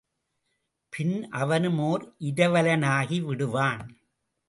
பின் அவனும் ஓர் இரவலனாகி விடுவான்.